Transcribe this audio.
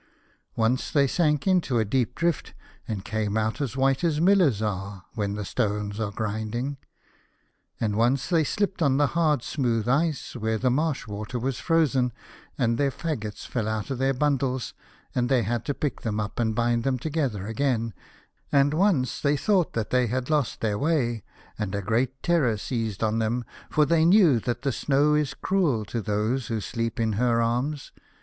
Once they sank into a deep drift, and came out as white as millers are, when the stones are grinding ; and once they slipped on the hard smooth ice where the marsh water was frozen, and their faggots fell out of their bundles, and they had to pick them up and bind them together again ; and once they thought that they had lost their way, and a great terror seized on them, for they knew that the Snow is cruel to those who sleep in her arms.